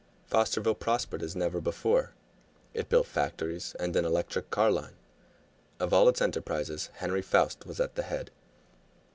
Fosterville prospered as never before; it built factories and an electric car line. Of all its enterprises Henry Foust was at the head.